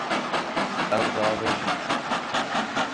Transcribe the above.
Ew diavêjin.